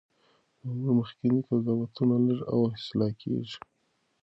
زموږ مخکني قضاوتونه لږ او اصلاح کیږي.